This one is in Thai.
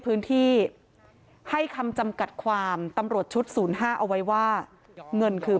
พื้นที่ให้คำจำกัดความตำรวจชุด๐๕เอาไว้ว่าเงินคือ